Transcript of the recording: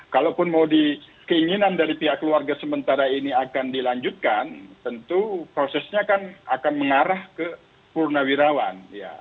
kalaupun mau di keinginan dari pihak keluarga sementara ini akan dilanjutkan tentu prosesnya kan akan mengarah ke purnawirawan